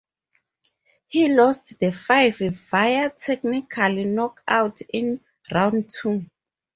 He lost the fight via technical knockout in round two.